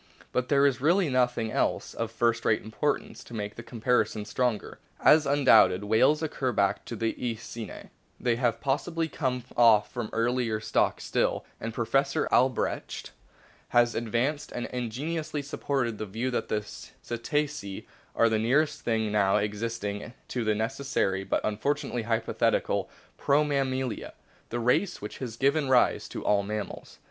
But there is really nothing ioo A BOOK OF WHALES else of first rate importance to make the comparison stronger. As undoubted whales occur back to the Eocene they have possibly come off from some earlier stock still, and Professor Albrecht has advanced and ingeniously supported the view that the Cetacea are the nearest thing now existing to the necessary, but unfortunately hypothetical, " Promammalia," the race which orave rise to all mammals.